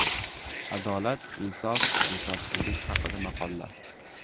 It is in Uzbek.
Adolat, insof va insofsizlik haqida maqollar.